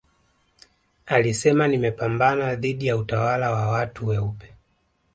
alisema nimepambana dhidi ya utawala wa watu weupe